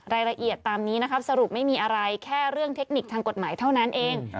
รายละเอียดตามนี้นะครับสรุปไม่มีอะไรแค่เรื่องเทคนิคทางกฎหมายเท่านั้นเอง